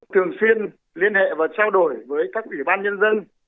thường xuyên liên hệ và trao đổi với các ủy ban nhân dân